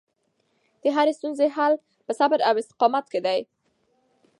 د هرې ستونزې حل په صبر او استقامت کې دی.